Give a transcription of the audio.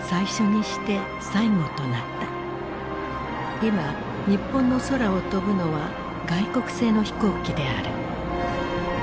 今日本の空を飛ぶのは外国製の飛行機である。